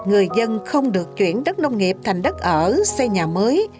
người dân không được chuyển đất nông nghiệp thành đất ở xây nhà mới